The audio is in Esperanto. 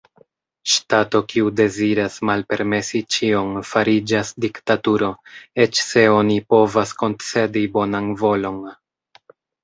Ŝtato kiu deziras malpermesi ĉion fariĝas diktaturo, eĉ se oni povas koncedi bonan volon.